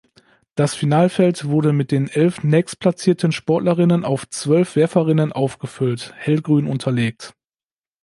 Das Finalfeld wurde mit den elf nächstplatzierten Sportlerinnen auf zwölf Werferinnen aufgefüllt (hellgrün unterlegt).